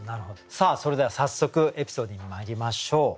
さあそれでは早速エピソードにまいりましょう。